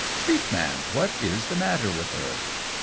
Speak, Man, what is the matter with her?"